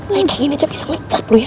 gini aja bisa mencap lu ya